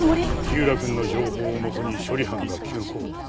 火浦くんの情報をもとに処理班が急行。